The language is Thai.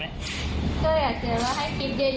ก็อยากเตือนว่าให้คิดเยอะค่ะ